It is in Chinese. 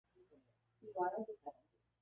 葛振峰是中共培养的一位职业军人。